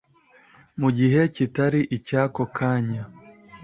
mu gihe kitari icyako kanya